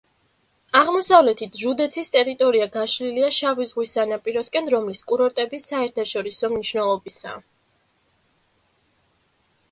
აღმოსავლეთით ჟუდეცის ტერიტორია გაშლილია შავი ზღვის სანაპიროსკენ, რომლის კურორტები საერთაშორისო მნიშვნელობისაა.